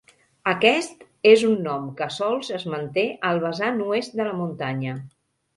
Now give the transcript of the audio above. Aquest és un nom que sols es manté al vessant oest de la muntanya.